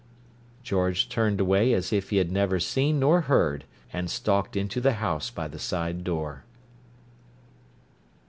George turned away as if he had neither seen nor heard, and stalked into the house by the side door.